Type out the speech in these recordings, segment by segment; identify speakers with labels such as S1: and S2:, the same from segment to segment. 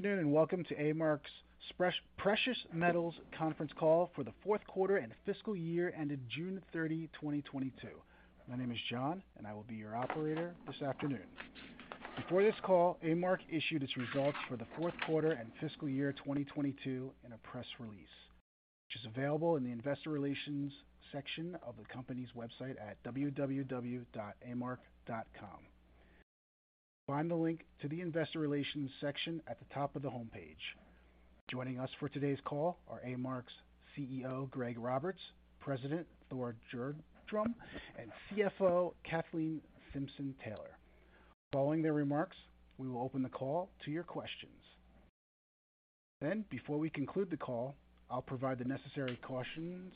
S1: Good afternoon, and welcome to A-Mark's Precious Metals Conference Call for The Q4 and Fiscal Year Ended 30June 2022. My name is John, and I will be your operator this afternoon. Before this call, A-Mark issued its results for the Q4 and fiscal year 2022 in a press release, which is available in the investor relations section of the company's website at www.amark.com. Find the link to the investor relations section at the top of the homepage. Joining us for today's call are A-Mark's CEO, Greg Roberts, President Thor Gjerdrum, and CFO Kathleen Simpson-Taylor. Following their remarks, we will open the call to your questions. Then, before we conclude the call, I'll provide the necessary cautions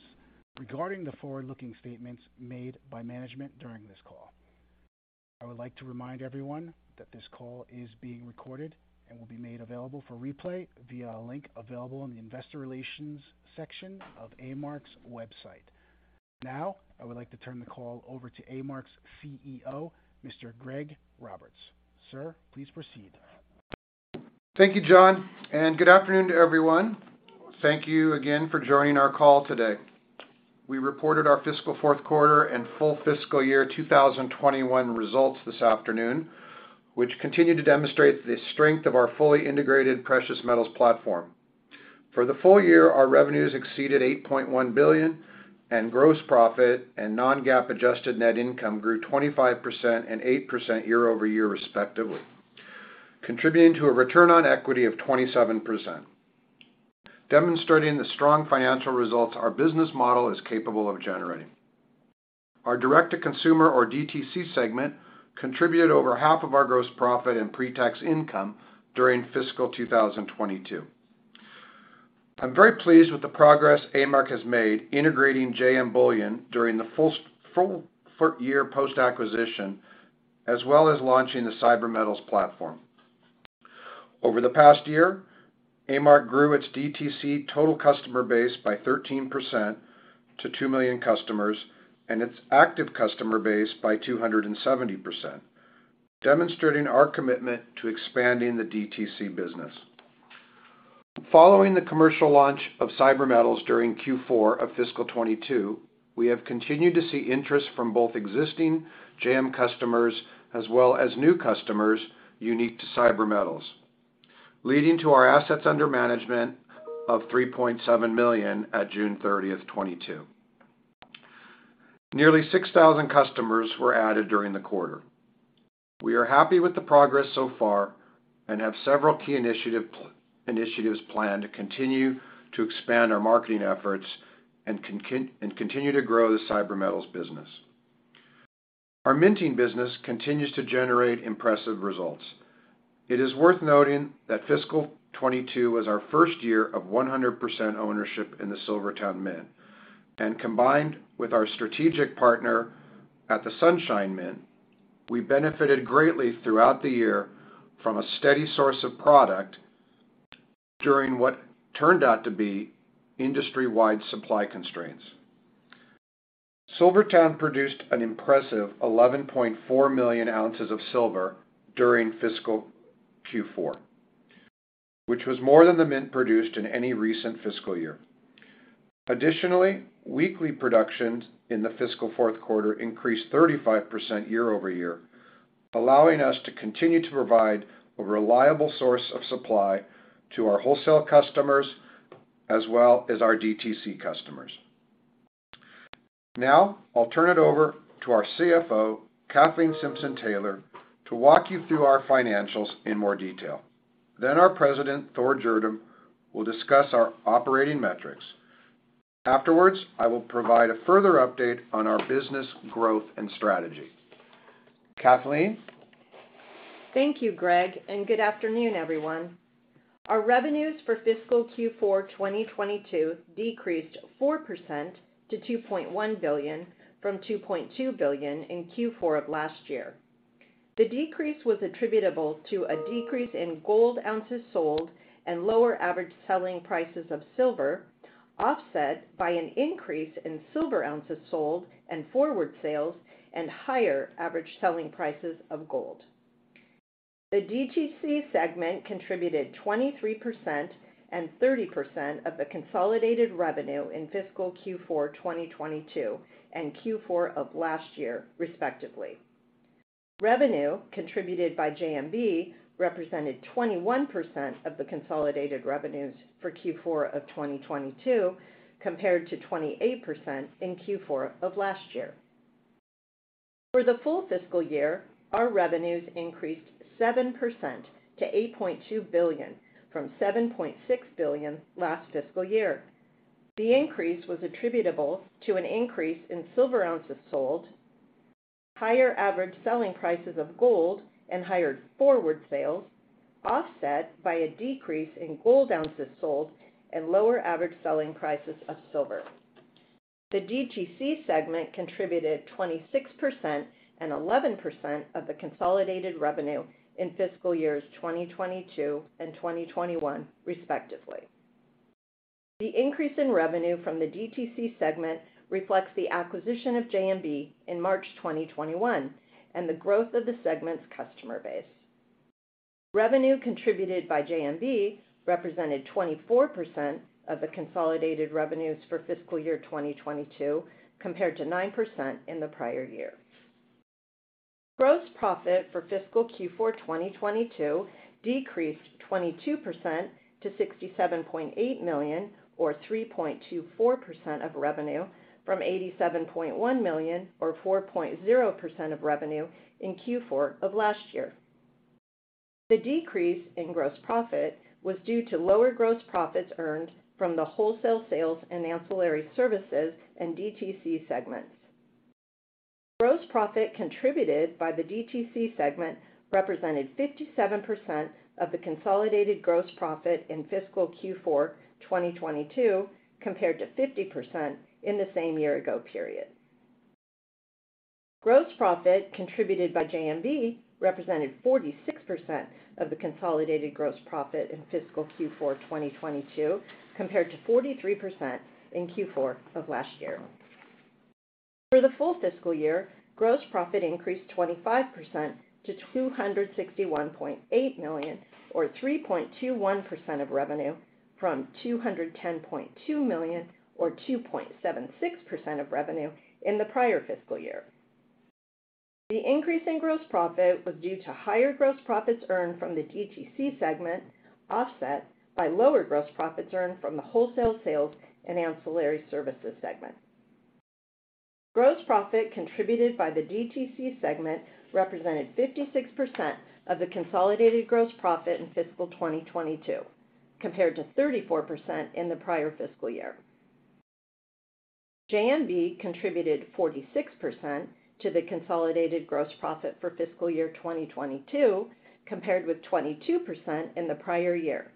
S1: regarding the forward-looking statements made by management during this call. I would like to remind everyone that this call is being recorded and will be made available for replay via a link available on the investor relations section of A-Mark's website. Now, I would like to turn the call over to A-Mark's CEO, Mr. Greg Roberts. Sir, please proceed.
S2: Thank you, John, and good afternoon to everyone. Thank you again for joining our call today. We reported our fiscal Q4 and full fiscal year 2021 results this afternoon, which continue to demonstrate the strength of our fully integrated precious metals platform. For the full year, our revenues exceeded $8.1 billion, and gross profit and non-GAAP adjusted net income grew 25% and 8% year over year, respectively, contributing to a return on equity of 27%, demonstrating the strong financial results our business model is capable of generating. Our direct to consumer or DTC segment contributed over half of our gross profit and pre-tax income during fiscal 2022. I'm very pleased with the progress A-Mark has made integrating JM Bullion during the full year post-acquisition, as well as launching the CyberMetals platform. Over the past year, A-Mark grew its DTC total customer base by 13% to 2 million customers and its active customer base by 270%, demonstrating our commitment to expanding the DTC business. Following the commercial launch of CyberMetals during Q4 of fiscal 2022, we have continued to see interest from both existing JM customers as well as new customers unique to CyberMetals, leading to our assets under management of $3.7 million at 30 June 2022. Nearly 6,000 customers were added during the quarter. We are happy with the progress so far and have several key initiatives planned to continue to expand our marketing efforts and continue to grow the CyberMetals business. Our minting business continues to generate impressive results. It is worth noting that fiscal 2022 was our first year of 100% ownership in the SilverTowne Mint. Combined with our strategic partner at the Sunshine Minting, we benefited greatly throughout the year from a steady source of product during what turned out to be industry-wide supply constraints. SilverTowne produced an impressive 11.4 million ounces of silver during fiscal Q4, which was more than the mint produced in any recent fiscal year. Additionally, weekly productions in the fiscal Q4 increased 35% year-over-year, allowing us to continue to provide a reliable source of supply to our wholesale customers as well as our DTC customers. Now, I'll turn it over to our CFO, Kathleen Simpson-Taylor, to walk you through our financials in more detail. Our President, Thor Gjerdrum, will discuss our operating metrics. Afterwards, I will provide a further update on our business growth and strategy. Kathleen?
S3: Thank you, Greg, and good afternoon, everyone. Our revenues for fiscal Q4 2022 decreased 4% to $2.1 billion from $2.2 billion in Q4 of last year. The decrease was attributable to a decrease in gold ounces sold and lower average selling prices of silver, offset by an increase in silver ounces sold and forward sales and higher average selling prices of gold. The DTC segment contributed 23% and 30% of the consolidated revenue in fiscal Q4 2022 and Q4 of last year, respectively. Revenue contributed by JMB represented 21% of the consolidated revenues for Q4 of 2022, compared to 28% in Q4 of last year. For the full fiscal year, our revenues increased 7% to $8.2 billion from $7.6 billion last fiscal year. The increase was attributable to an increase in silver ounces sold, higher average selling prices of gold and higher forward sales, offset by a decrease in gold ounces sold and lower average selling prices of silver. The DTC segment contributed 26% and 11% of the consolidated revenue in fiscal years 2022 and 2021, respectively. The increase in revenue from the DTC segment reflects the acquisition of JMB in March 2021 and the growth of the segment's customer base. Revenue contributed by JMB represented 24% of the consolidated revenues for fiscal year 2022, compared to 9% in the prior year. Gross profit for fiscal Q4 2022 decreased 22% to $67.8 million or 3.24% of revenue from $87.1 million or 4.0% of revenue in Q4 of last year. The decrease in gross profit was due to lower gross profits earned from the wholesale sales and ancillary services and DTC segments. Gross profit contributed by the DTC segment represented 57% of the consolidated gross profit in fiscal Q4 2022, compared to 50% in the same year ago period. Gross profit contributed by JMB represented 46% of the consolidated gross profit in fiscal Q4 2022, compared to 43% in Q4 of last year. For the full fiscal year, gross profit increased 25% to $261.8 million or 3.21% of revenue from $210.2 million or 2.76% of revenue in the prior fiscal year. The increase in gross profit was due to higher gross profits earned from the DTC segment, offset by lower gross profits earned from the wholesale sales and ancillary services segment. Gross profit contributed by the DTC segment represented 56% of the consolidated gross profit in fiscal 2022, compared to 34% in the prior fiscal year. JMB contributed 46% to the consolidated gross profit for fiscal year 2022, compared with 22% in the prior year.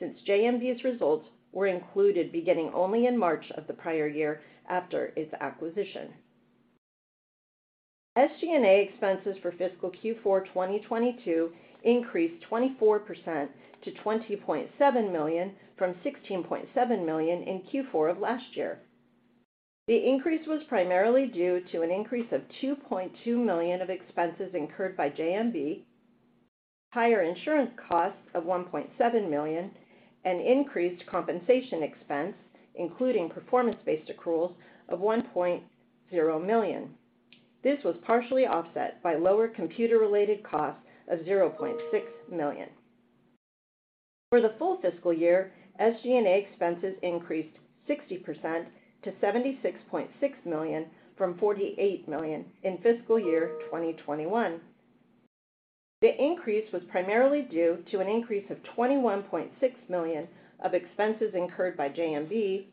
S3: Since JMB's results were included beginning only in March of the prior year after its acquisition. SG&A expenses for fiscal Q4 2022 increased 24% to $20.7 million from $16.7 million in Q4 of last year. The increase was primarily due to an increase of $2.2 million of expenses incurred by JMB, higher insurance costs of $1.7 million, and increased compensation expense, including performance-based accruals of $1.0 million. This was partially offset by lower computer-related costs of $0.6 million. For the full fiscal year, SG&A expenses increased 60% to $76.6 million from $48 million in fiscal year 2021. The increase was primarily due to an increase of $21.6 million of expenses incurred by JMB,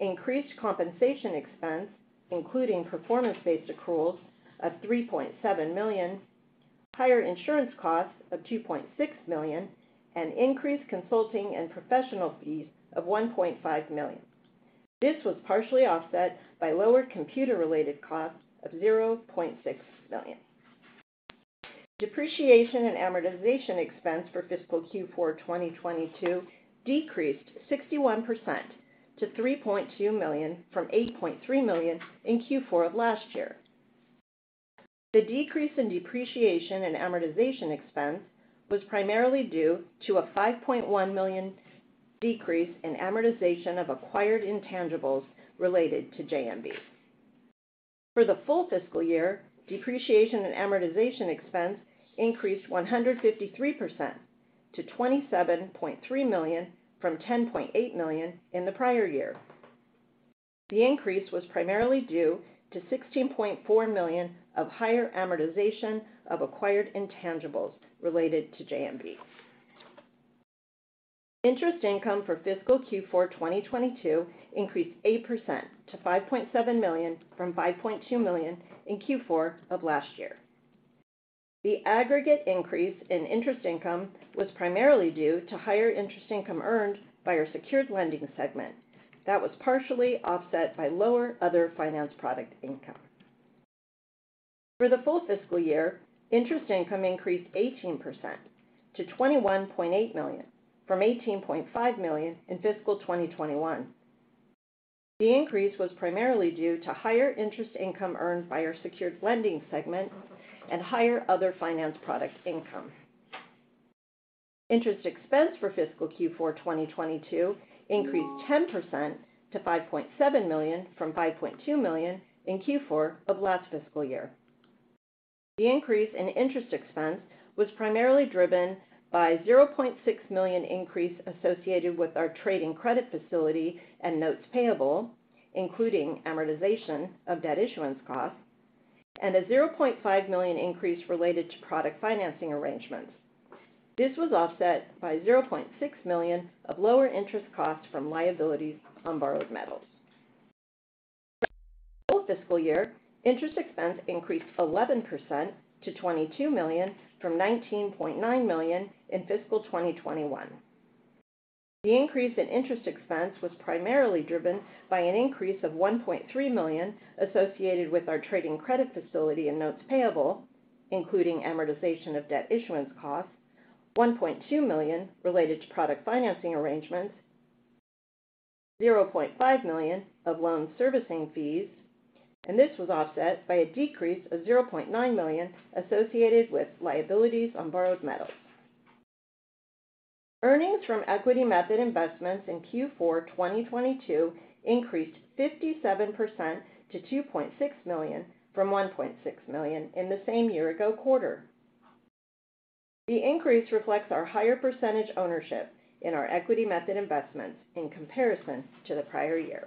S3: increased compensation expense, including performance-based accruals of $3.7 million, higher insurance costs of $2.6 million, and increased consulting and professional fees of $1.5 million. This was partially offset by lower computer-related costs of $0.6 million. Depreciation and amortization expense for fiscal Q4 2022 decreased 61% to $3.2 million from $8.3 million in Q4 of last year. The decrease in depreciation and amortization expense was primarily due to a $5.1 million decrease in amortization of acquired intangibles related to JMB. For the full fiscal year, depreciation and amortization expense increased 153% to $27.3 million from $10.8 million in the prior year. The increase was primarily due to $16.4 million of higher amortization of acquired intangibles related to JMB. Interest income for fiscal Q4 2022 increased 8% to $5.7 million from $5.2 million in Q4 of last year. The aggregate increase in interest income was primarily due to higher interest income earned by our secured lending segment that was partially offset by lower other finance product income. For the full fiscal year, interest income increased 18% to $21.8 million from $18.5 million in fiscal 2021. The increase was primarily due to higher interest income earned by our secured lending segment and higher other finance product income. Interest expense for fiscal Q4 2022 increased 10% to $5.7 million from $5.2 million in Q4 of last fiscal year. The increase in interest expense was primarily driven by $0.6 million increase associated with our trading credit facility and notes payable, including amortization of debt issuance costs, and a $0.5 million increase related to product financing arrangements. This was offset by $0.6 million of lower interest costs from liabilities on borrowed metals. For the full fiscal year, interest expense increased 11% to $22 million from $19.9 million in fiscal 2021. The increase in interest expense was primarily driven by an increase of $1.3 million associated with our trading credit facility and notes payable. Including amortization of debt issuance costs, $1.2 million related to product financing arrangements, $0.5 million of loan servicing fees, and this was offset by a decrease of $0.9 million associated with liabilities on borrowed metals. Earnings from equity method investments in Q4 2022 increased 57% to $2.6 million from $1.6 million in the same year-ago quarter. The increase reflects our higher percentage ownership in our equity method investments in comparison to the prior year.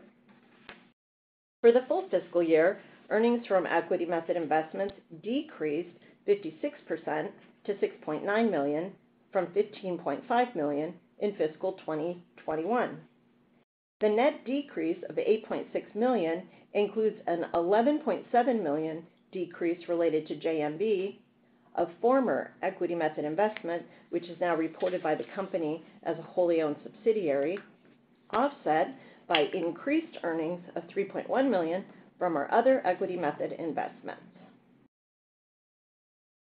S3: For the full fiscal year, earnings from equity method investments decreased 56% to $6.9 million from $15.5 million in fiscal 2021. The net decrease of $8.6 million includes an $11.7 million decrease related to JMB, a former equity method investment, which is now reported by the company as a wholly owned subsidiary, offset by increased earnings of $3.1 million from our other equity method investments.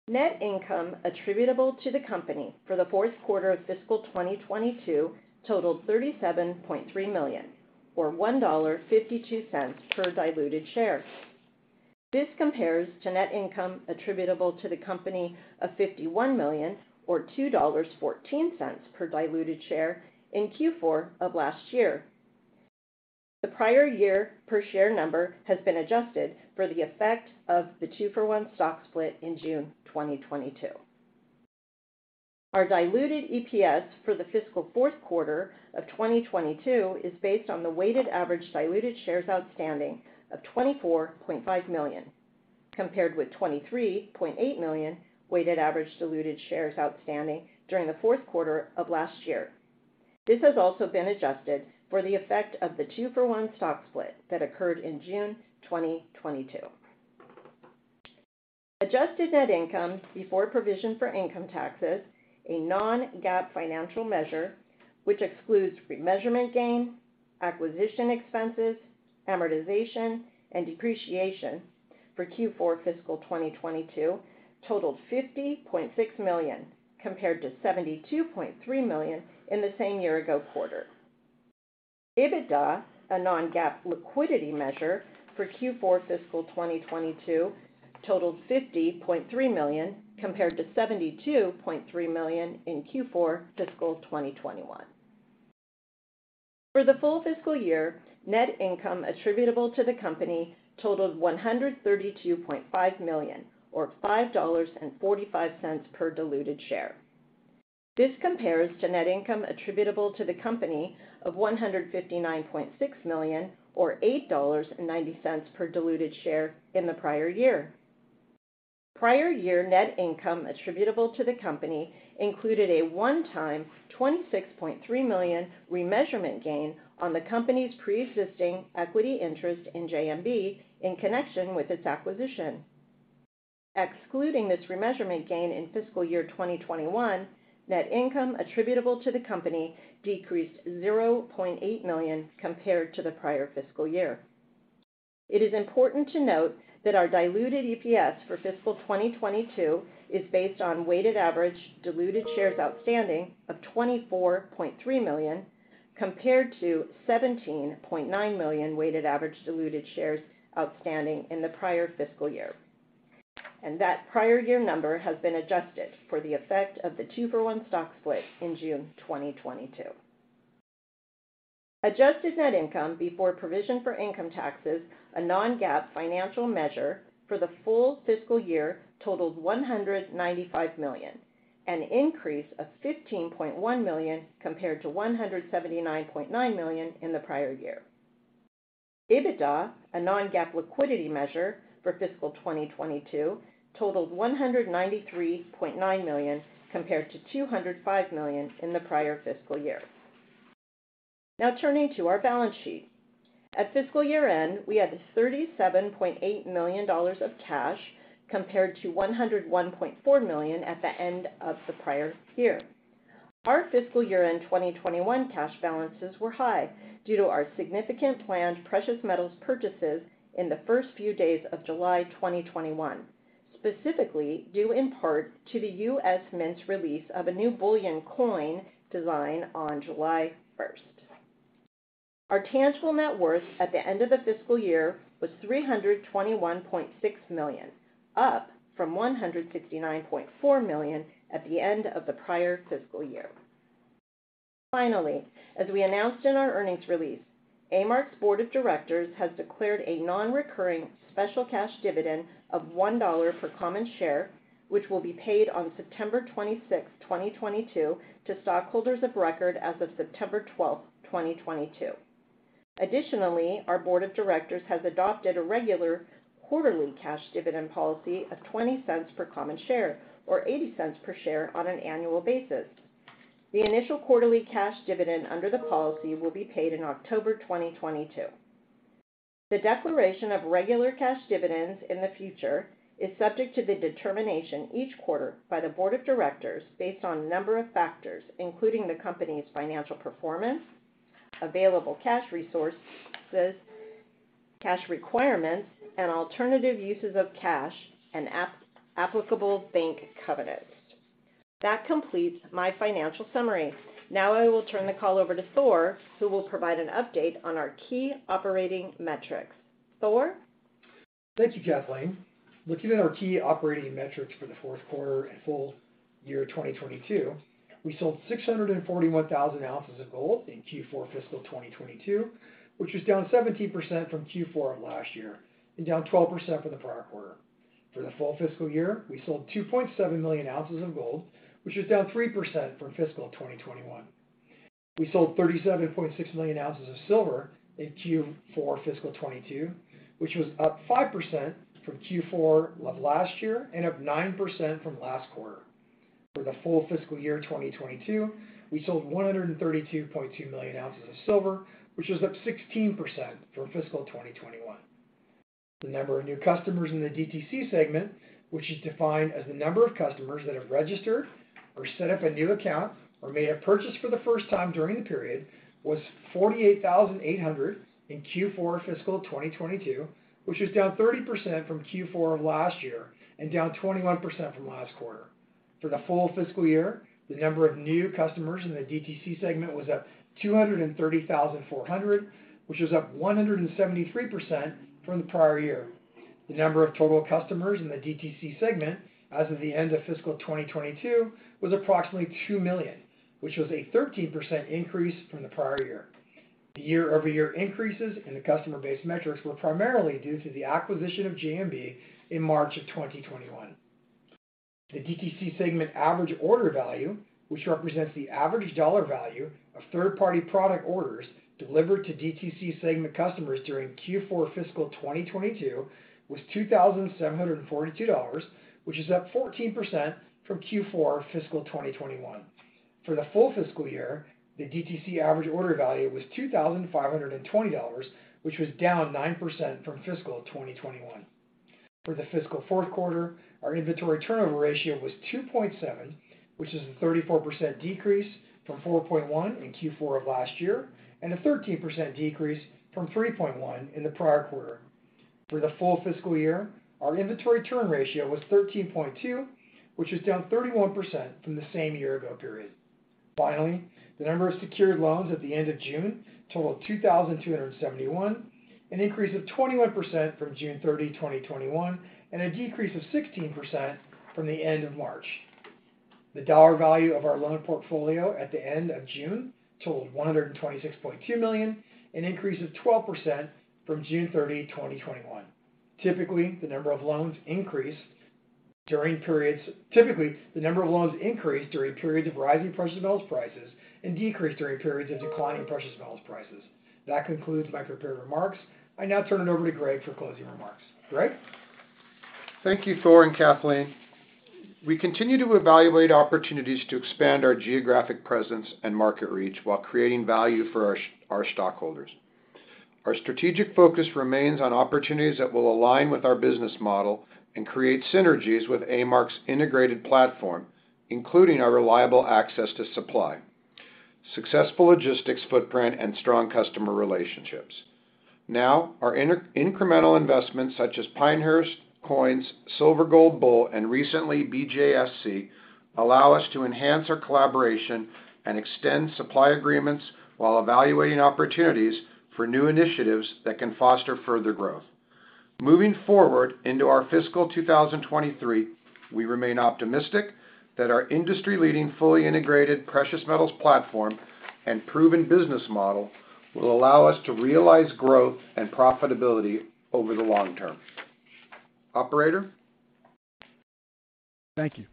S3: Net income attributable to the company for the Q4 of fiscal 2022 totaled $37.3 million, or $1.52 per diluted share. This compares to net income attributable to the company of $51 million or $2.14 per diluted share in Q4 of last year. The prior year per share number has been adjusted for the effect of the 2-for-1 stock split in June 2022. Our diluted EPS for the fiscal Q4 of 2022 is based on the weighted average diluted shares outstanding of 24.5 million, compared with 23.8 million weighted average diluted shares outstanding during the Q4 of last year. This has also been adjusted for the effect of the 2-for-1 stock split that occurred in June 2022. Adjusted net income before provision for income taxes, a non-GAAP financial measure which excludes remeasurement gain, acquisition expenses, amortization, and depreciation for Q4 fiscal 2022 totaled $50.6 million, compared to $72.3 million in the same year-ago quarter. EBITDA, a non-GAAP liquidity measure for Q4 fiscal 2022 totaled $50.3 million, compared to $72.3 million in Q4 fiscal 2021. For the full fiscal year, net income attributable to the company totaled $132.5 million or $5.45 per diluted share. This compares to net income attributable to the company of $159.6 million or $8.90 per diluted share in the prior year. Prior year net income attributable to the company included a one-time $26.3 million remeasurement gain on the company's pre-existing equity interest in JMB in connection with its acquisition. Excluding this remeasurement gain in fiscal year 2021, net income attributable to the company decreased $0.8 million compared to the prior fiscal year. It is important to note that our diluted EPS for fiscal 2022 is based on weighted average diluted shares outstanding of 24.3 million, compared to 17.9 million weighted average diluted shares outstanding in the prior fiscal year. That prior year number has been adjusted for the effect of the 2-for-1 stock split in June 2022. Adjusted net income before provision for income taxes, a non-GAAP financial measure for the full fiscal year totaled $195 million, an increase of $15.1 million compared to $179.9 million in the prior year. EBITDA, a non-GAAP liquidity measure for fiscal 2022, totaled $193.9 million, compared to $205 million in the prior fiscal year. Now turning to our balance sheet. At fiscal year-end, we had $37.8 million of cash, compared to $101.4 million at the end of the prior year. Our fiscal year-end 2021 cash balances were high due to our significant planned precious metals purchases in the first few days of July 2021, specifically due in part to the U.S. Mint's release of a new bullion coin design on 1 July 2022. Our tangible net worth at the end of the fiscal year was $321.6 million, up from $169.4 million at the end of the prior fiscal year. Finally, as we announced in our earnings release, A-Mark's board of directors has declared a non-recurring special cash dividend of $1 per common share, which will be paid on 26 September 2022, to stockholders of record as of 12 September 2022. Additionally, our board of directors has adopted a regular quarterly cash dividend policy of $0.20 per common share or $0.80 per share on an annual basis. The initial quarterly cash dividend under the policy will be paid in October 2022. The declaration of regular cash dividends in the future is subject to the determination each quarter by the board of directors based on a number of factors, including the company's financial performance, available cash resources. Cash requirements and alternative uses of cash and applicable bank covenants. That completes my financial summary. Now I will turn the call over to Thor, who will provide an update on our key operating metrics. Thor?
S4: Thank you, Kathleen. Looking at our key operating metrics for the Q4 and full year 2022, we sold 641,000 ounces of gold in Q4 fiscal 2022, which was down 17% from Q4 of last year and down 12% from the prior quarter. For the full fiscal year, we sold 2.7 million ounces of gold, which is down 3% from fiscal 2021. We sold 37.6 million ounces of silver in Q4 fiscal 2022, which was up 5% from Q4 of last year and up 9% from last quarter. For the full fiscal year 2022, we sold 132.2 million ounces of silver, which was up 16% from fiscal 2021. The number of new customers in the DTC segment, which is defined as the number of customers that have registered or set up a new account or made a purchase for the first time during the period, was 48,800 in Q4 fiscal 2022, which was down 30% from Q4 of last year and down 21% from last quarter. For the full fiscal year, the number of new customers in the DTC segment was at 230,400, which was up 173% from the prior year. The number of total customers in the DTC segment as of the end of fiscal 2022 was approximately 2 million, which was a 13% increase from the prior year. The year-over-year increases in the customer base metrics were primarily due to the acquisition of JMB in March 2021. The DTC segment average order value, which represents the average dollar value of third-party product orders delivered to DTC segment customers during Q4 fiscal 2022 was $2,742, which is up 14% from Q4 fiscal 2021. For the full fiscal year, the DTC average order value was $2,520, which was down 9% from fiscal 2021. For the fiscal Q4, our inventory turnover ratio was 2.7, which is a 34% decrease from 4.1 in Q4 of last year, and a 13% decrease from 3.1 in the prior quarter. For the full fiscal year, our inventory turn ratio was 13.2, which is down 31% from the same year ago period. Finally, the number of secured loans at the end of June totaled 2,271, an increase of 21% from June 30, 2021, and a decrease of 16% from the end of March. The dollar value of our loan portfolio at the end of June totaled $126.2 million, an increase of 12% from 30 June 2021. Typically, the number of loans increase during periods of rising precious metals prices and decrease during periods of declining precious metals prices. That concludes my prepared remarks. I now turn it over to Greg for closing remarks. Greg?
S2: Thank you, Thor and Kathleen. We continue to evaluate opportunities to expand our geographic presence and market reach while creating value for our stockholders. Our strategic focus remains on opportunities that will align with our business model and create synergies with A-Mark's integrated platform, including our reliable access to supply, successful logistics footprint, and strong customer relationships. Our incremental investments such as Pinehurst Coins, Silver Gold Bull, and recently BGASC, allow us to enhance our collaboration and extend supply agreements while evaluating opportunities for new initiatives that can foster further growth. Moving forward into our fiscal 2023, we remain optimistic that our industry leading fully integrated precious metals platform and proven business model will allow us to realize growth and profitability over the long term. Operator?
S1: Thank you.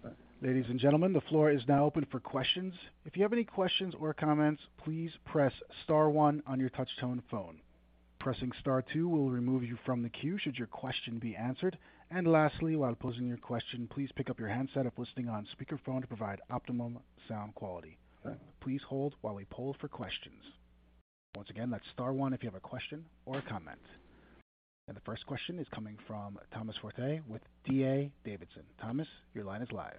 S1: Ladies and gentlemen, the floor is now open for questions. If you have any questions or comments, please press star one on your touch-tone phone. Pressing star two will remove you from the queue should your question be answered. Lastly, while posing your question, please pick up your handset if listening on speaker phone to provide optimum sound quality. Please hold while we poll for questions. Once again, that's star one if you have a question or a comment. The first question is coming from Thomas Forte with D.A. Davidson. Thomas, your line is live.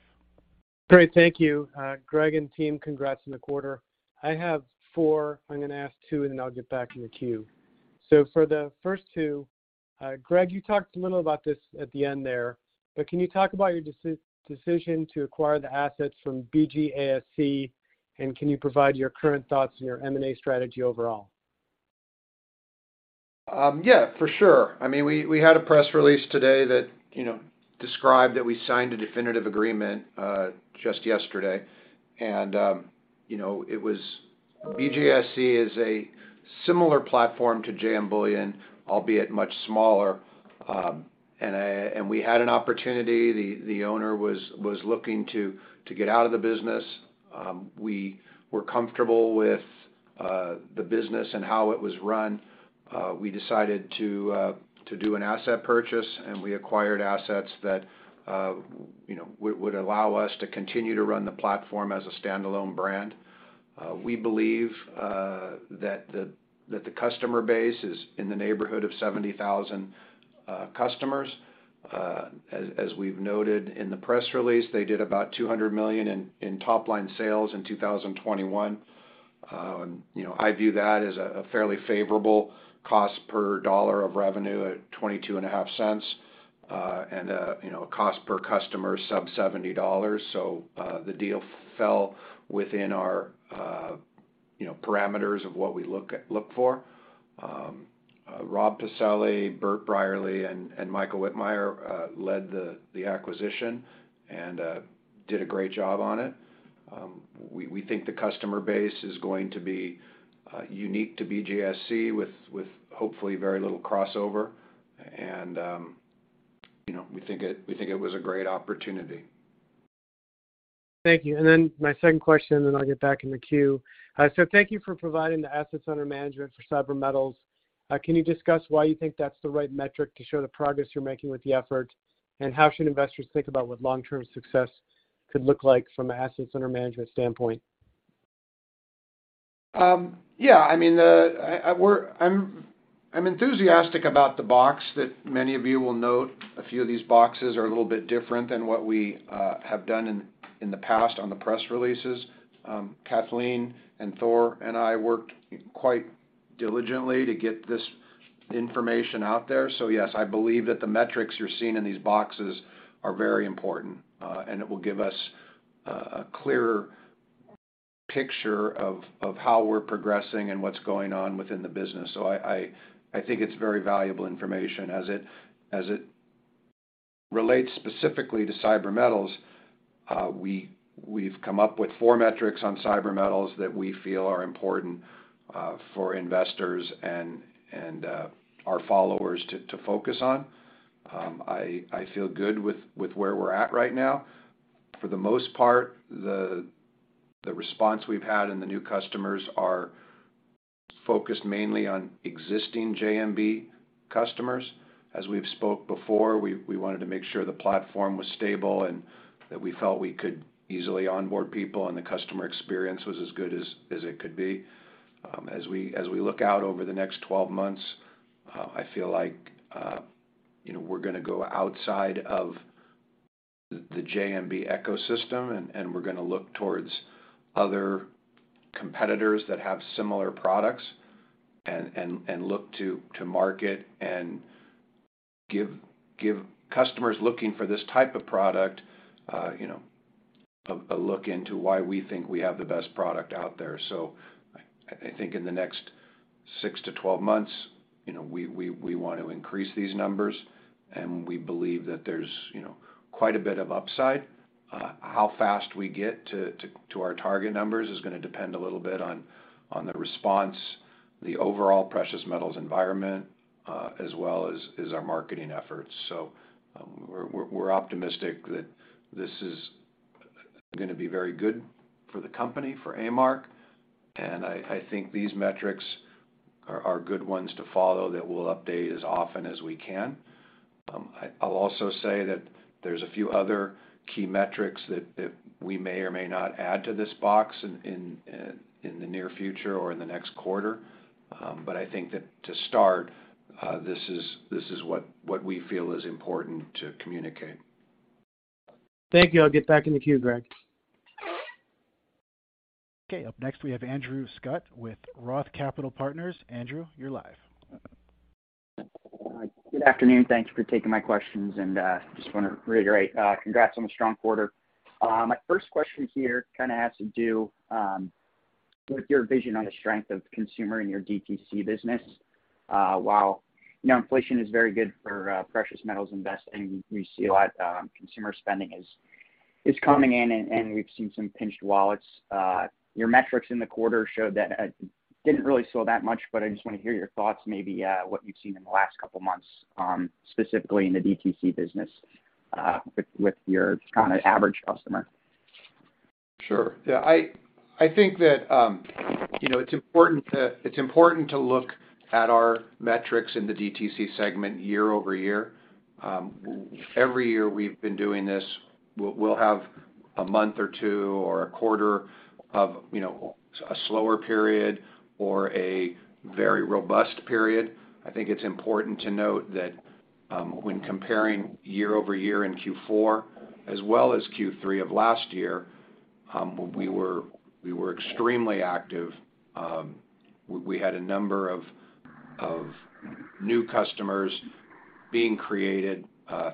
S5: Great. Thank you. Greg and team, congrats on the quarter. I have four. I'm gonna ask two and then I'll get back in the queue. For the first two, Greg, you talked a little about this at the end there, but can you talk about your decision to acquire the assets from BGASC, and can you provide your current thoughts and your M&A strategy overall?
S2: Yeah, for sure. I mean, we had a press release today that, you know, described that we signed a definitive agreement just yesterday. You know, BGASC is a similar platform to JM Bullion, albeit much smaller. We had an opportunity. The owner was looking to get out of the business. We were comfortable with the business and how it was run. We decided to do an asset purchase, and we acquired assets that, you know, would allow us to continue to run the platform as a standalone brand. We believe that the customer base is in the neighborhood of 70,000 customers. As we've noted in the press release, they did about $200 million in top line sales in 2021. You know, I view that as a fairly favorable cost per dollar of revenue at $0.225, and you know, cost per customer under $70. The deal fell within our you know, parameters of what we look for. Robert Pacelli, Bert Brierley, and Michael Wittmeyer led the acquisition and did a great job on it. We think the customer base is going to be unique to BGASC with hopefully very little crossover. You know, we think it was a great opportunity.
S5: Thank you. Then my second question, and then I'll get back in the queue. Thank you for providing the assets under management for CyberMetals. Can you discuss why you think that's the right metric to show the progress you're making with the effort? How should investors think about what long-term success could look like from an assets under management standpoint?
S2: I mean, I'm enthusiastic about the box that many of you will note a few of these boxes are a little bit different than what we have done in the past on the press releases. Kathleen and Thor and I worked quite diligently to get this information out there. Yes, I believe that the metrics you're seeing in these boxes are very important, and it will give us a clearer picture of how we're progressing and what's going on within the business. I think it's very valuable information as it relates specifically to CyberMetals. We've come up with four metrics on CyberMetals that we feel are important for investors and our followers to focus on. I feel good with where we're at right now. For the most part, the response we've had in the new customers are focused mainly on existing JMB customers. As we've spoke before, we wanted to make sure the platform was stable and that we felt we could easily onboard people and the customer experience was as good as it could be. As we look out over the next 12 months, I feel like you know, we're gonna go outside of the JMB ecosystem, and we're gonna look towards other competitors that have similar products and look to market and give customers looking for this type of product you know, a look into why we think we have the best product out there. I think in the next 6 months-12 months, you know, we want to increase these numbers, and we believe that there's, you know, quite a bit of upside. How fast we get to our target numbers is gonna depend a little bit on the response, the overall precious metals environment, as well as our marketing efforts. We're optimistic that this is gonna be very good for the company, for A-Mark, and I think these metrics are good ones to follow that we'll update as often as we can. I'll also say that there's a few other key metrics that we may or may not add to this box in the near future or in the next quarter. I think that to start, this is what we feel is important to communicate.
S5: Thank you. I'll get back in the queue, Greg.
S1: Okay. Up next we have Andrew Scutt with ROTH Capital Partners. Andrew, you're live.
S6: Good afternoon. Thank you for taking my questions. Just wanna reiterate, congrats on the strong quarter. My first question here kinda has to do with your vision on the strength of consumer in your DTC business. While you know, inflation is very good for precious metals investing, we see a lot consumer spending is coming in and we've seen some pinched wallets. Your metrics in the quarter showed that didn't really slow that much, but I just wanna hear your thoughts maybe what you've seen in the last couple months, specifically in the DTC business, with your kinda average customer.
S2: Sure. Yeah, I think that, you know, it's important to look at our metrics in the DTC segment year-over-year. Every year we've been doing this, we'll have a month or two or a quarter of, you know, a slower period or a very robust period. I think it's important to note that, when comparing year-over-year in Q4 as well as Q3 of last year, we were extremely active. We had a number of new customers being created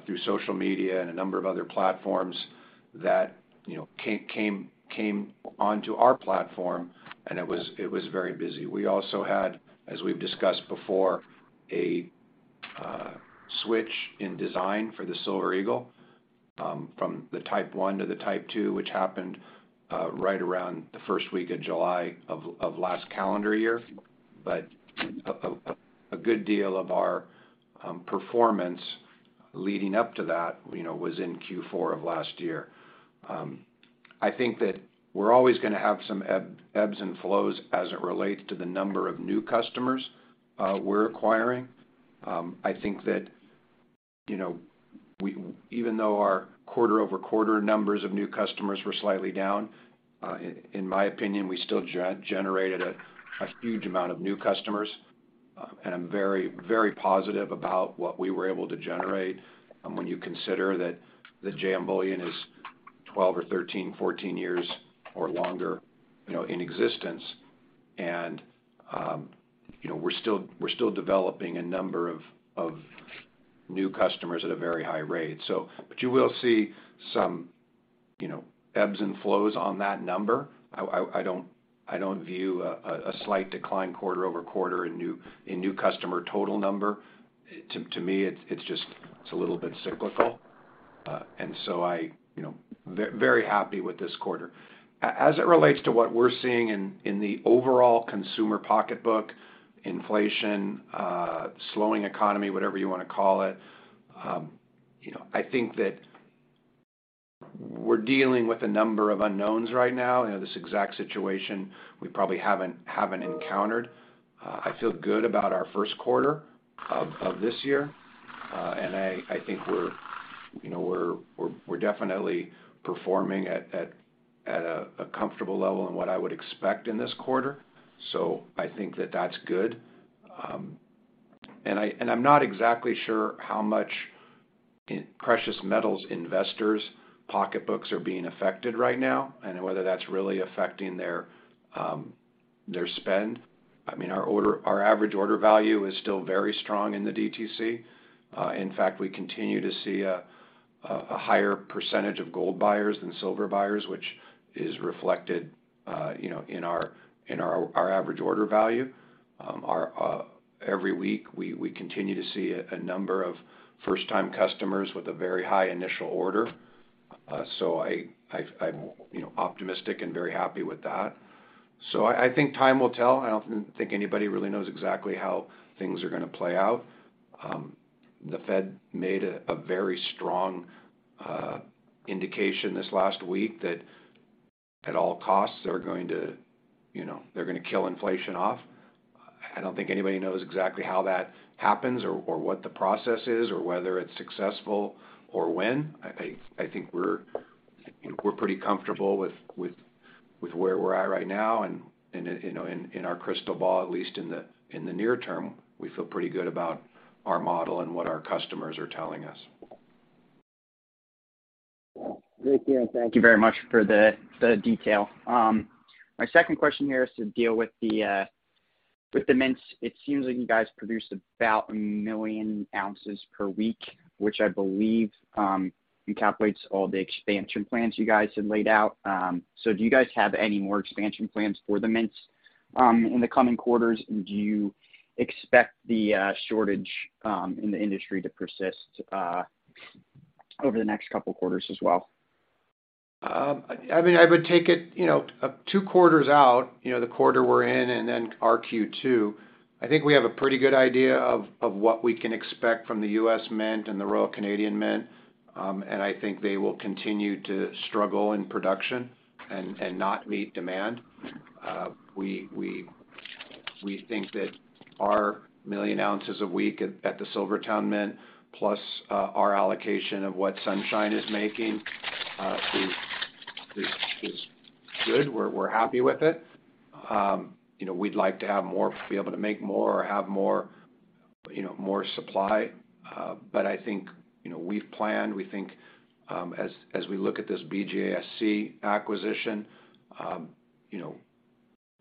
S2: through social media and a number of other platforms that, you know, came onto our platform, and it was very busy. We also had, as we've discussed before, a switch in design for the Silver Eagle, from the type one to the type two, which happened right around the first week of July of last calendar year. A good deal of our performance leading up to that, you know, was in Q4 of last year. I think that we're always gonna have some ebbs and flows as it relates to the number of new customers we're acquiring. I think that, you know, even though our quarter-over-quarter numbers of new customers were slightly down, in my opinion, we still generated a huge amount of new customers. I'm very, very positive about what we were able to generate when you consider that the JM Bullion is 12 or 13, 14 years or longer, you know, in existence. You know, we're still developing a number of new customers at a very high rate. You will see some, you know, ebbs and flows on that number. I don't view a slight decline quarter-over-quarter in new customer total number. To me, it's just a little bit cyclical. I, you know, very happy with this quarter. As it relates to what we're seeing in the overall consumer pocketbook, inflation, slowing economy, whatever you wanna call it, you know, I think that we're dealing with a number of unknowns right now. You know, this exact situation we probably haven't encountered. I feel good about our Q1 of this year. I think we're, you know, we're definitely performing at a comfortable level in what I would expect in this quarter. I think that that's good. I'm not exactly sure how much precious metals investors' pocketbooks are being affected right now and whether that's really affecting their spend. I mean, our average order value is still very strong in the DTC. In fact, we continue to see a higher percentage of gold buyers than silver buyers, which is reflected, you know, in our average order value. Every week, we continue to see a number of first-time customers with a very high initial order. I'm, you know, optimistic and very happy with that. I think time will tell. I don't think anybody really knows exactly how things are gonna play out. The Fed made a very strong indication this last week that at all costs, they're going to, you know, they're gonna kill inflation off. I don't think anybody knows exactly how that happens or what the process is or whether it's successful or when. I think we're, you know, pretty comfortable with where we're at right now and, you know, in our crystal ball, at least in the near term, we feel pretty good about our model and what our customers are telling us.
S6: Yeah. Great, Ian. Thank you very much for the detail. My second question here is to deal with the mints. It seems like you guys produce about 1 million ounces per week, which I believe recalculates all the expansion plans you guys had laid out. So do you guys have any more expansion plans for the mints in the coming quarters? Do you expect the shortage in the industry to persist over the next couple quarters as well?
S2: I mean, I would take it, you know, two quarters out, you know, the quarter we're in and then our Q2. I think we have a pretty good idea of what we can expect from the U.S. Mint and the Royal Canadian Mint. I think they will continue to struggle in production and not meet demand. We think that our 1 million ounces a week at the SilverTowne Mint, plus our allocation of what Sunshine Minting is making, is good. We're happy with it. You know, we'd like to be able to make more or have more, you know, more supply. I think, you know, we've planned. We think, as we look at this BGASC acquisition, you know,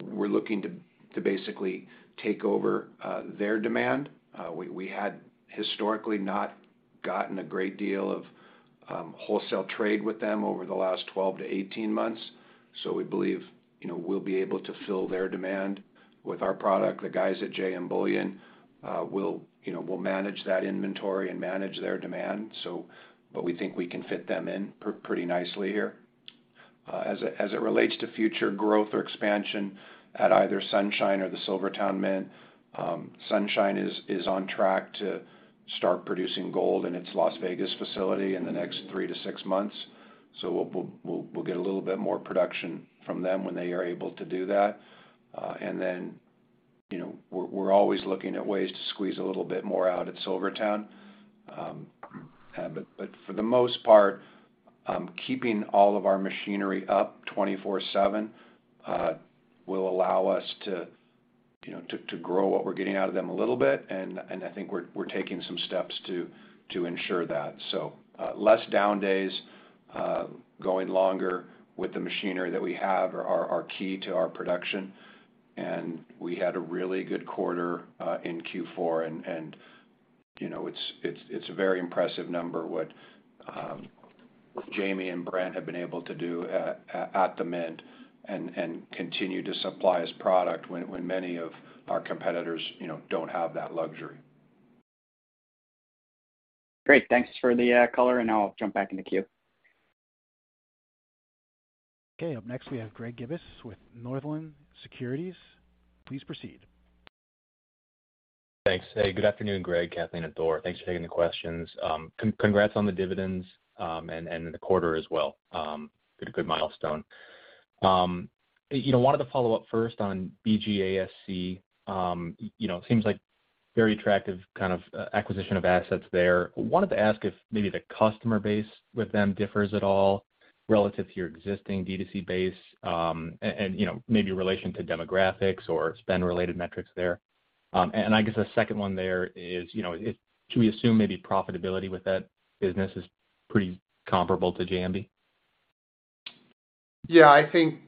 S2: we're looking to basically take over their demand. We had historically not gotten a great deal of wholesale trade with them over the last 12 months-18 months. We believe, you know, we'll be able to fill their demand with our product. The guys at JM Bullion will, you know, manage that inventory and manage their demand. But we think we can fit them in pretty nicely here. As it relates to future growth or expansion at either Sunshine Minting or the SilverTowne Mint, Sunshine Minting is on track to start producing gold in its Las Vegas facility in the next 3 months-6 months. We'll get a little bit more production from them when they are able to do that. You know, we're always looking at ways to squeeze a little bit more out at SilverTowne Mint. For the most part, keeping all of our machinery up 24/7 will allow us to, you know, to grow what we're getting out of them a little bit. I think we're taking some steps to ensure that. Less down days, going longer with the machinery that we have are key to our production. We had a really good quarter in Q4. You know, it's a very impressive number what Jamie and Brent have been able to do at the Mint and continue to supply us product when many of our competitors, you know, don't have that luxury.
S6: Great. Thanks for the color, and I'll jump back in the queue.
S1: Okay. Up next, we have Greg Gibas with Northland Securities. Please proceed.
S7: Thanks. Hey, good afternoon, Greg, Kathleen, and Thor. Thanks for taking the questions. Congrats on the dividends, and the quarter as well. Hit a good milestone. You know, wanted to follow up first on BGASC. You know, it seems like very attractive kind of acquisition of assets there. Wanted to ask if maybe the customer base with them differs at all relative to your existing DTC base, and, you know, maybe relation to demographics or spend related metrics there. I guess the second one there is, you know, can we assume maybe profitability with that business is pretty comparable to JMB?
S2: Yeah, I think,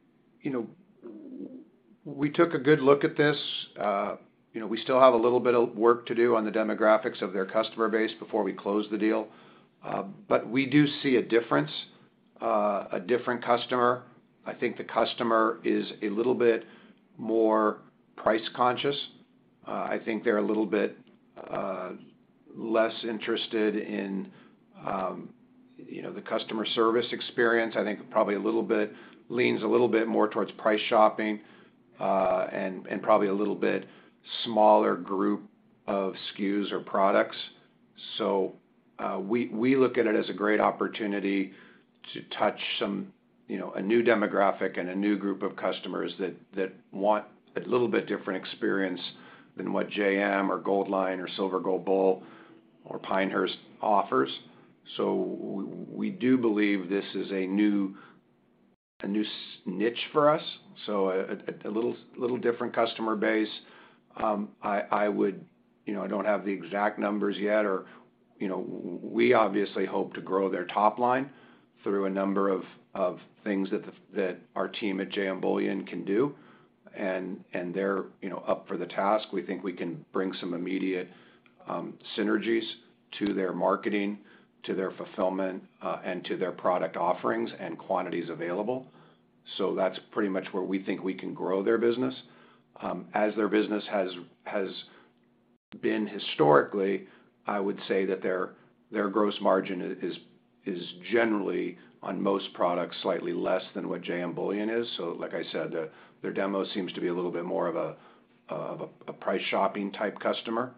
S2: you know, we took a good look at this. You know, we still have a little bit of work to do on the demographics of their customer base before we close the deal, but we do see a difference, a different customer. I think the customer is a little bit more price conscious. I think they're a little bit less interested in, you know, the customer service experience. I think probably a little bit leans a little bit more towards price shopping, and probably a little bit smaller group of SKUs or products. We look at it as a great opportunity to touch some, you know, a new demographic and a new group of customers that want a little bit different experience than what JM or Goldline or Silver Gold Bull or Pinehurst offers. We do believe this is a new niche for us, a little different customer base. I would, you know, I don't have the exact numbers yet or, you know, we obviously hope to grow their top line through a number of things that our team at JM Bullion can do, and they're, you know, up for the task. We think we can bring some immediate synergies to their marketing, to their fulfillment, and to their product offerings and quantities available. That's pretty much where we think we can grow their business. As their business has been historically, I would say that their gross margin is generally on most products, slightly less than what JM Bullion is. Like I said, their demo seems to be a little bit more of a price shopping type customer.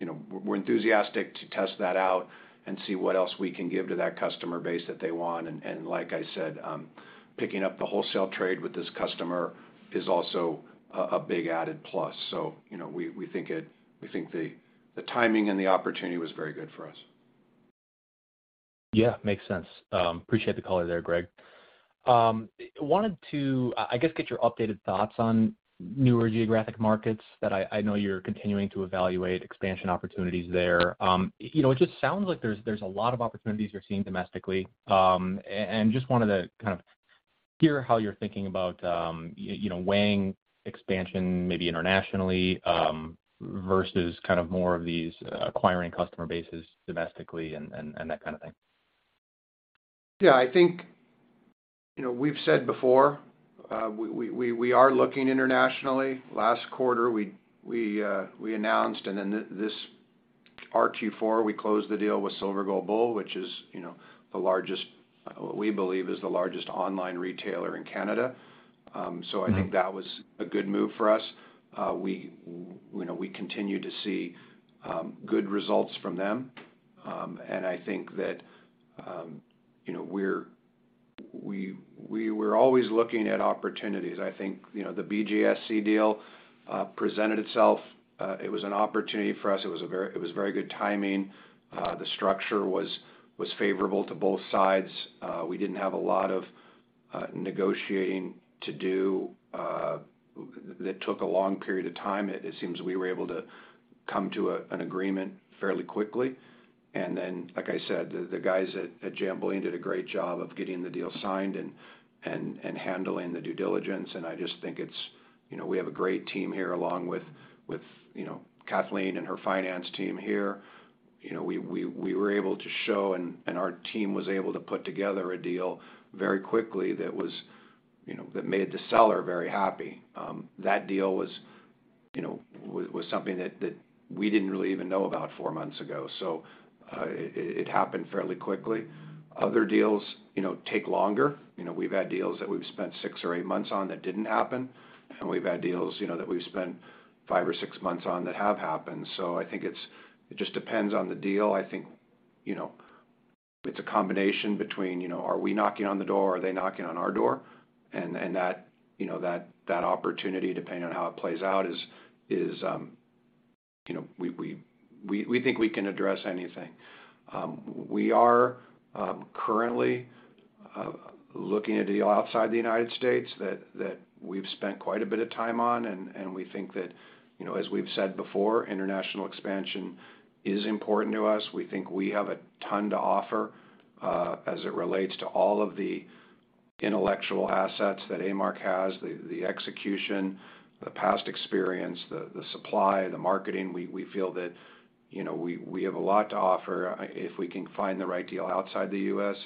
S2: You know, we're enthusiastic to test that out and see what else we can give to that customer base that they want. Like I said, picking up the wholesale trade with this customer is also a big added plus. You know, we think the timing and the opportunity was very good for us.
S7: Yeah. Makes sense. Appreciate the color there, Greg. Wanted to, I guess get your updated thoughts on newer geographic markets that I know you're continuing to evaluate expansion opportunities there. You know, it just sounds like there's a lot of opportunities you're seeing domestically. Just wanted to kind of hear how you're thinking about, you know, weighing expansion maybe internationally, versus kind of more of these, acquiring customer bases domestically and that kind of thing.
S2: Yeah, I think, you know, we've said before, we are looking internationally. Last quarter, we announced and then our Q4, we closed the deal with Silver Gold Bull, which is, you know, the largest, we believe is the largest online retailer in Canada.
S7: Mm-hmm.
S2: I think that was a good move for us. We, you know, continue to see good results from them. I think that, you know, we were always looking at opportunities. I think, you know, the BGASC deal presented itself. It was an opportunity for us. It was very good timing. The structure was favorable to both sides. We didn't have a lot of negotiating to do, that didn't take a long period of time. It seems we were able to come to an agreement fairly quickly. Like I said, the guys at JM Bullion did a great job of getting the deal signed and handling the due diligence. I just think it's, you know, we have a great team here along with, you know, Kathleen and her finance team here. You know, we were able to show and our team was able to put together a deal very quickly that was, you know, that made the seller very happy. That deal was, you know, was something that we didn't really even know about four months ago. It happened fairly quickly. Other deals, you know, take longer. You know, we've had deals that we've spent six or eight months on that didn't happen. We've had deals, you know, that we've spent five or six months on that have happened. I think it's. It just depends on the deal. I think, you know, it's a combination between, you know, are we knocking on the door or are they knocking on our door? That opportunity, depending on how it plays out, is, you know, we think we can address anything. We are currently looking at a deal outside the United States that we've spent quite a bit of time on, and we think that, you know, as we've said before, international expansion is important to us. We think we have a ton to offer, as it relates to all of the intellectual assets that A-Mark has, the execution, the past experience, the supply, the marketing. We feel that, you know, we have a lot to offer, if we can find the right deal outside the U.S.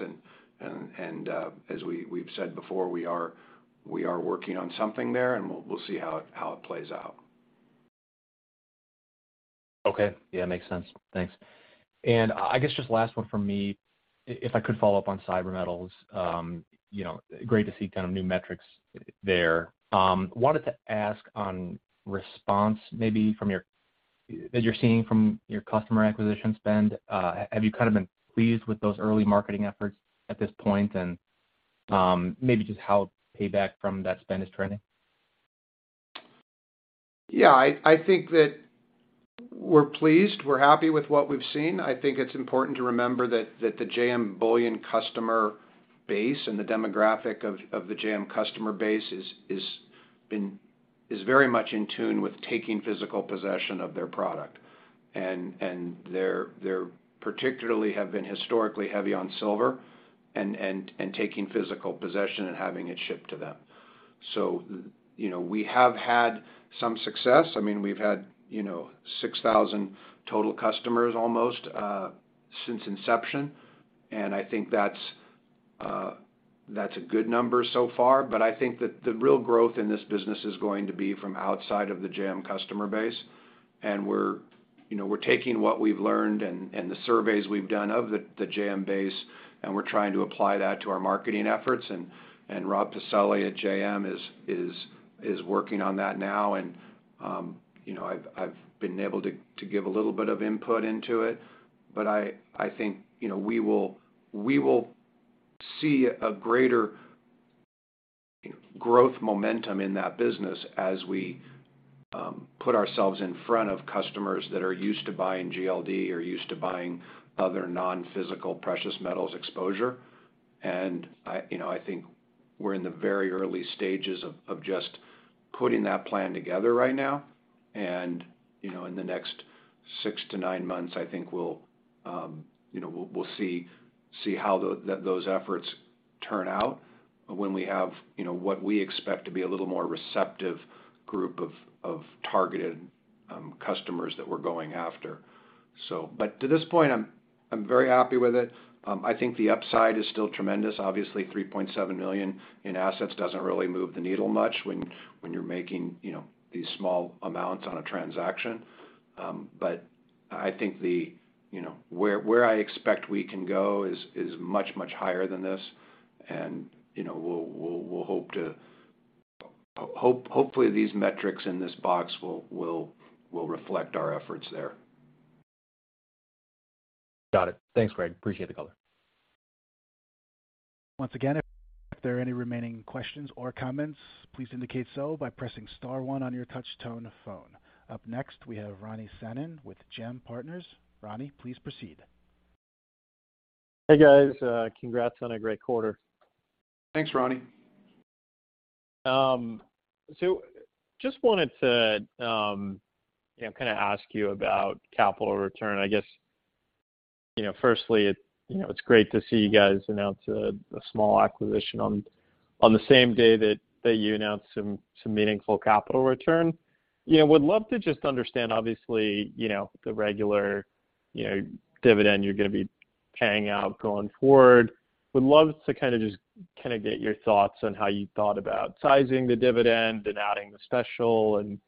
S2: As we've said before, we are working on something there, and we'll see how it plays out.
S7: Okay. Yeah, makes sense. Thanks. I guess just last one from me. If I could follow up on CyberMetals. You know, great to see kind of new metrics there. Wanted to ask on response, maybe from your customers. That you're seeing from your customer acquisition spend, have you kind of been pleased with those early marketing efforts at this point? Maybe just how payback from that spend is trending.
S2: Yeah, I think that we're pleased, we're happy with what we've seen. I think it's important to remember that the JM Bullion customer base and the demographic of the JM customer base is very much in tune with taking physical possession of their product. They're particularly have been historically heavy on silver and taking physical possession and having it shipped to them. You know, we have had some success. I mean, we've had, you know, 6,000 total customers almost since inception, and I think that's a good number so far. I think that the real growth in this business is going to be from outside of the JM customer base. We're, you know, we're taking what we've learned and the surveys we've done of the JM base, and we're trying to apply that to our marketing efforts. Robert Pacelli at JM is working on that now. You know, I've been able to give a little bit of input into it. I think, you know, we will see a greater growth momentum in that business as we put ourselves in front of customers that are used to buying GLD or used to buying other non-physical precious metals exposure. I, you know, I think we're in the very early stages of just putting that plan together right now. You know, in the next 6 months-9 months, I think we'll, you know, we'll see how those efforts turn out when we have, you know, what we expect to be a little more receptive group of targeted customers that we're going after. To this point, I'm very happy with it. I think the upside is still tremendous. Obviously, $3.7 million in assets doesn't really move the needle much when you're making, you know, these small amounts on a transaction. I think. You know, where I expect we can go is much higher than this. You know, we'll hopefully these metrics in this box will reflect our efforts there.
S7: Got it. Thanks, Greg. Appreciate the color.
S1: Once again, if there are any remaining questions or comments, please indicate so by pressing star one on your touch tone phone. Up next, we have [Ronnie Sonnen] with JMP Partners. Ronnie, please proceed.
S8: Hey, guys, congrats on a great quarter.
S2: Thanks, Ronnie.
S8: Just wanted to, you know, kind of ask you about capital return. I guess, you know, firstly, you know, it's great to see you guys announce a small acquisition on the same day that you announced some meaningful capital return. You know, would love to just understand, obviously, you know, the regular, you know, dividend you're gonna be paying out going forward. Would love to kind of get your thoughts on how you thought about sizing the dividend and adding the special and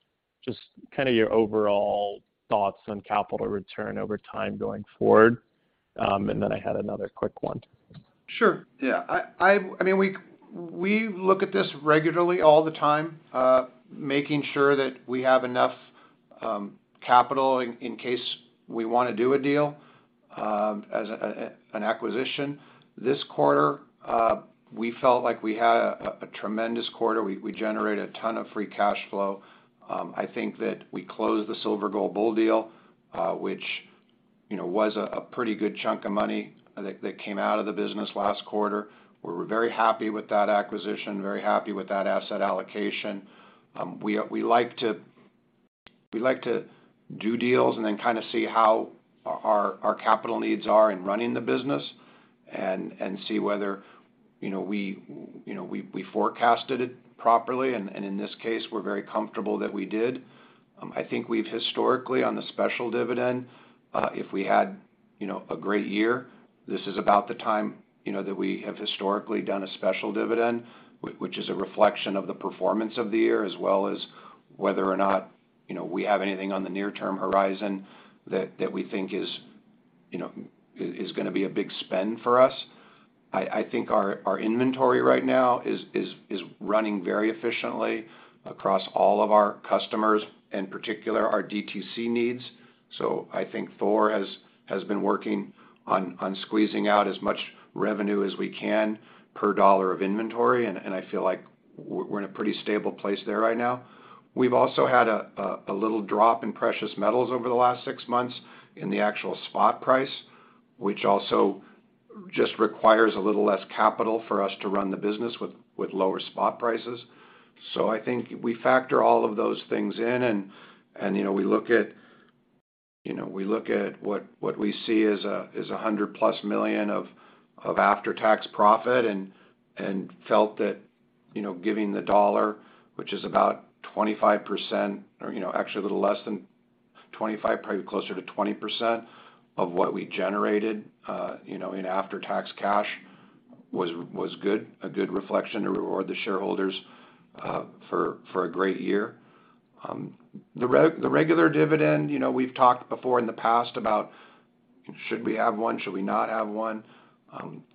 S8: just kind of your overall thoughts on capital return over time going forward. I had another quick one.
S2: Sure, yeah. I mean, we look at this regularly all the time, making sure that we have enough capital in case we wanna do a deal as an acquisition. This quarter, we felt like we had a tremendous quarter. We generated a ton of free cash flow. I think that we closed the Silver Gold Bull deal, which, you know, was a pretty good chunk of money that came out of the business last quarter. We're very happy with that acquisition, very happy with that asset allocation. We like to do deals and then kind of see how our capital needs are in running the business and see whether, you know, we forecasted it properly. In this case, we're very comfortable that we did. I think we've historically, on the special dividend, if we had, you know, a great year, this is about the time, you know, that we have historically done a special dividend, which is a reflection of the performance of the year, as well as whether or not, you know, we have anything on the near-term horizon that we think is gonna be a big spend for us. I think our inventory right now is running very efficiently across all of our customers, in particular our DTC needs. I think Thor has been working on squeezing out as much revenue as we can per dollar of inventory, and I feel like we're in a pretty stable place there right now. We've also had a little drop in precious metals over the last six months in the actual spot price, which also just requires a little less capital for us to run the business with lower spot prices. I think we factor all of those things in and you know, we look at what we see as $100+ million of after-tax profit and felt that you know, giving the dollar, which is about 25% or you know, actually a little less than 25%, probably closer to 20% of what we generated you know, in after-tax cash was a good reflection to reward the shareholders for a great year. The regular dividend, you know, we've talked before in the past about. Should we have one? Should we not have one?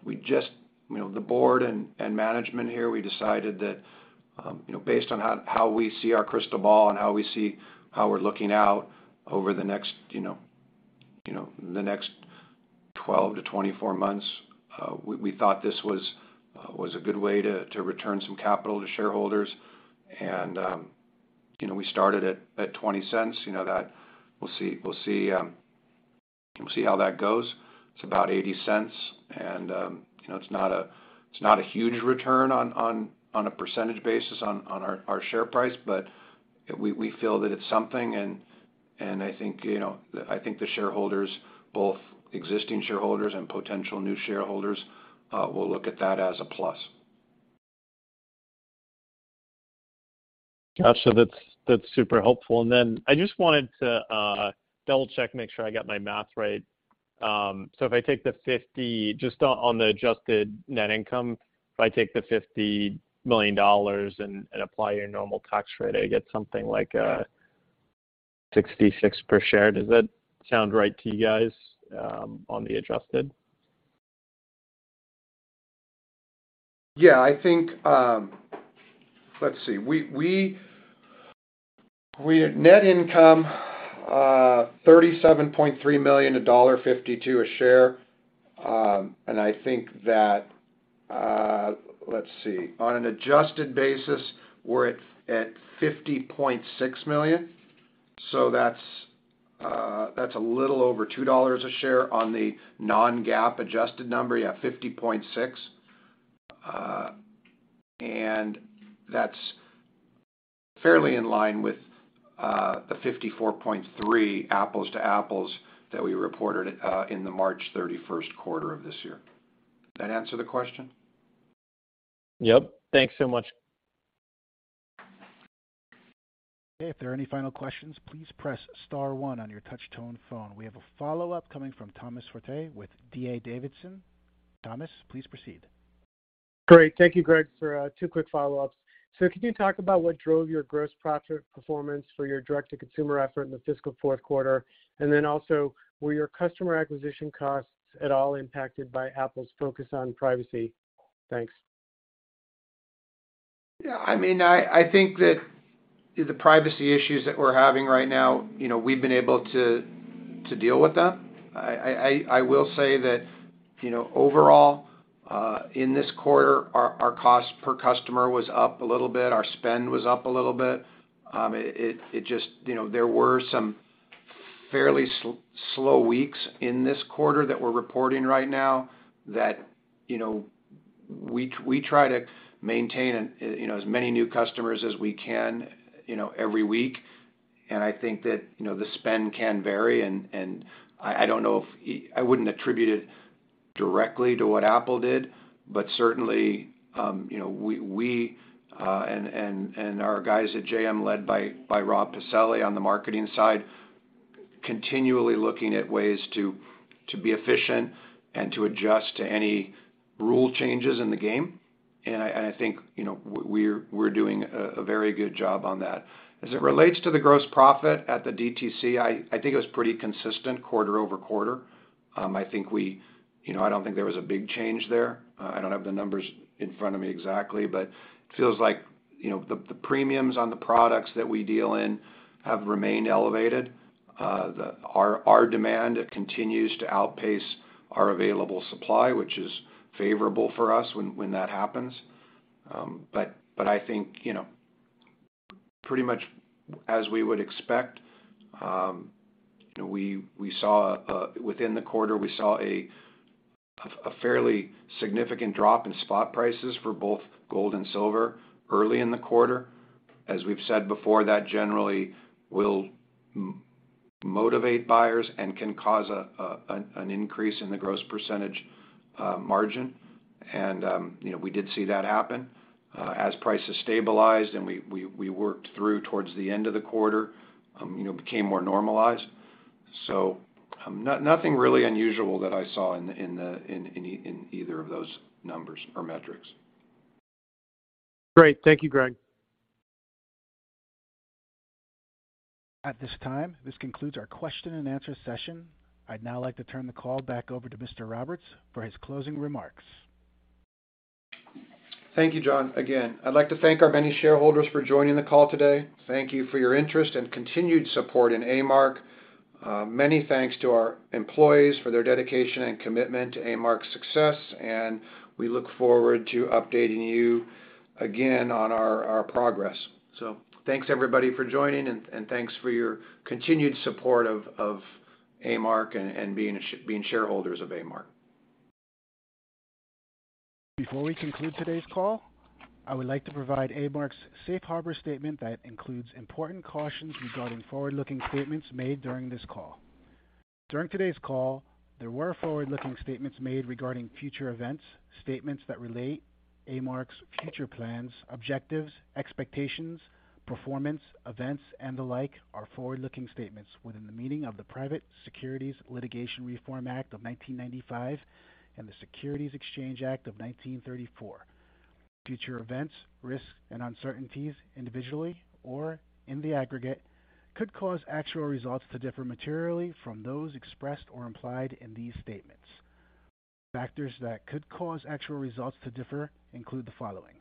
S2: We just, you know, the board and management here, we decided that, you know, based on how we see our crystal ball and how we see how we're looking out over the next 12 months-24 months, we thought this was a good way to return some capital to shareholders. We started at $0.20. You know that we'll see how that goes. It's about $0.80 and, you know, it's not a huge return on a percentage basis on our share price, but we feel that it's something and I think, you know, I think the shareholders, both existing shareholders and potential new shareholders, will look at that as a plus.
S8: Gotcha. That's super helpful. I just wanted to double-check, make sure I got my math right. If I take the 50 just on the adjusted net income, if I take the $50 million and apply your normal tax rate, I get something like $66 per share. Does that sound right to you guys on the adjusted?
S2: Yeah, I think. Let's see. We had net income $37.3 million, $1.52 a share. And I think that. Let's see. On an adjusted basis, we're at $50.6 million, so that's a little over $2 a share on the non-GAAP adjusted number, yeah, $50.6. And that's fairly in line with the $54.3 apples to apples that we reported in the 31 March quarter of this year. That answer the question?
S8: Yep. Thanks so much.
S1: If there are any final questions, please press star one on your touch tone phone. We have a follow-up coming from Thomas Forte with D.A. Davidson. Thomas, please proceed.
S5: Great. Thank you, Greg, for two quick follow-ups. Can you talk about what drove your gross profit performance for your direct to consumer effort in the fiscal fourth quarter? And then also, were your customer acquisition costs at all impacted by Apple's focus on privacy? Thanks.
S2: Yeah, I mean, I think that the privacy issues that we're having right now, you know, we've been able to deal with them. I will say that, you know, overall, in this quarter, our cost per customer was up a little bit. Our spend was up a little bit. You know, there were some fairly slow weeks in this quarter that we're reporting right now that, you know, we try to maintain, you know, as many new customers as we can, you know, every week. I think that, you know, the spend can vary, and I don't know if... I wouldn't attribute it directly to what Apple did, but certainly, you know, we and our guys at JM led by Robert Pacelli on the marketing side, continually looking at ways to be efficient and to adjust to any rule changes in the game. I think, you know, we're doing a very good job on that. As it relates to the gross profit at the DTC, I think it was pretty consistent quarter-over-quarter. I think, you know, I don't think there was a big change there. I don't have the numbers in front of me exactly, but it feels like, you know, the premiums on the products that we deal in have remained elevated. Our demand continues to outpace our available supply, which is favorable for us when that happens. I think you know pretty much as we would expect we saw within the quarter a fairly significant drop in spot prices for both gold and silver early in the quarter. As we've said before, that generally will motivate buyers and can cause an increase in the gross percentage margin. You know we did see that happen as prices stabilized, and we worked through towards the end of the quarter you know became more normalized. Nothing really unusual that I saw in either of those numbers or metrics.
S5: Great. Thank you, Greg.
S1: At this time, this concludes our question and answer session. I'd now like to turn the call back over to Mr. Roberts for his closing remarks.
S2: Thank you, John. Again, I'd like to thank our many shareholders for joining the call today. Thank you for your interest and continued support in A-Mark. Many thanks to our employees for their dedication and commitment to A-Mark's success, and we look forward to updating you again on our progress. Thanks everybody for joining and thanks for your continued support of A-Mark and being shareholders of A-Mark.
S1: Before we conclude today's call, I would like to provide A-Mark's Safe Harbor statement that includes important cautions regarding forward-looking statements made during this call. During today's call, there were forward-looking statements made regarding future events. Statements that relate A-Mark's future plans, objectives, expectations, performance, events, and the like are forward-looking statements within the meaning of the Private Securities Litigation Reform Act of 1995 and the Securities Exchange Act of 1934. Future events, risks, and uncertainties, individually or in the aggregate, could cause actual results to differ materially from those expressed or implied in these statements. Factors that could cause actual results to differ include the following.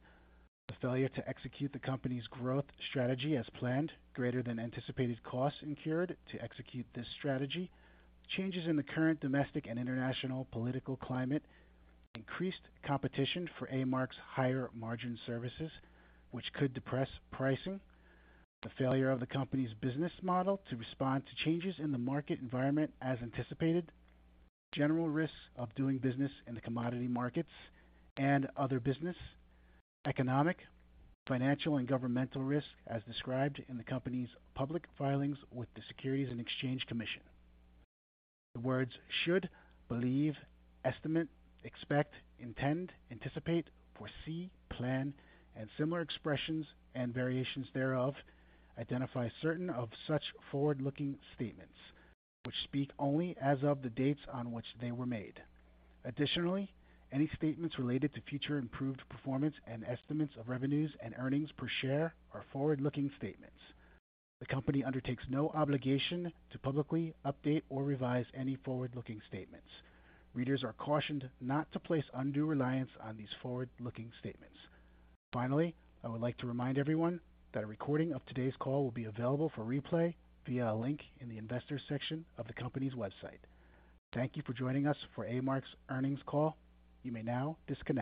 S1: The failure to execute the company's growth strategy as planned, greater than anticipated costs incurred to execute this strategy, changes in the current domestic and international political climate, increased competition for A-Mark's higher margin services, which could depress pricing, the failure of the company's business model to respond to changes in the market environment as anticipated, general risks of doing business in the commodity markets and other business, economic, financial, and governmental risk as described in the company's public filings with the Securities and Exchange Commission. The words should, believe, estimate, expect, intend, anticipate, foresee, plan, and similar expressions and variations thereof identify certain of such forward-looking statements which speak only as of the dates on which they were made. Additionally, any statements related to future improved performance and estimates of revenues and earnings per share are forward-looking statements. The company undertakes no obligation to publicly update or revise any forward-looking statements. Readers are cautioned not to place undue reliance on these forward-looking statements. Finally, I would like to remind everyone that a recording of today's call will be available for replay via a link in the investors section of the company's website. Thank you for joining us for A-Mark's earnings call. You may now disconnect.